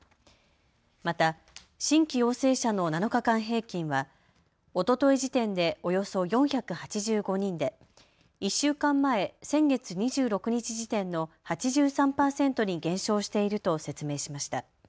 また新規陽性者の７日間平均はおととい時点でおよそ４８５人で１週間前、先月２６日時点の８３％に減少していると説明しました。